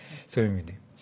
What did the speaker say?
そういう意味で。